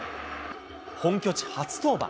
本拠地初登板。